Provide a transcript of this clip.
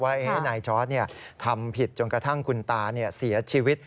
ว่าไนท์จอร์สเนี่ยทำผิดจนกระทั่งคุณตาเนี่ยเสียชีวิต